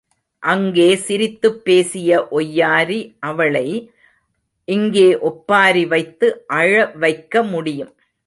அங்கே சிரித்துப் பேசிய ஒய்யாரி அவளை இங்கே ஒப்பாரி வைத்து அழவைக்க முடியும்.